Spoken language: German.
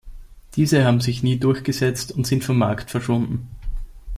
Diese haben sich nie durchgesetzt und sind vom Markt verschwunden.